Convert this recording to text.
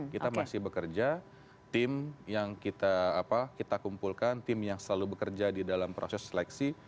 kita masih bekerja tim yang kita kumpulkan tim yang selalu bekerja di dalam proses seleksi